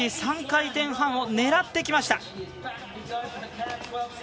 ３回転半を狙ってきました。